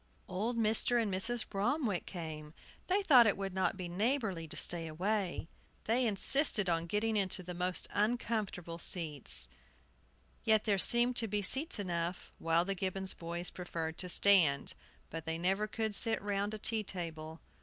Old Mr. and Mrs. Bromwick came. They thought it would not be neighborly to stay away. They insisted on getting into the most uncomfortable seats. Yet there seemed to be seats enough while the Gibbons boys preferred to stand. But they never could sit round a tea table.